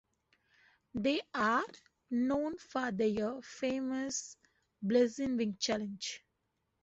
They are known for their famous Blazin Wing Challenge.